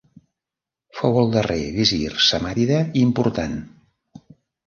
Fou el darrer visir samànida important.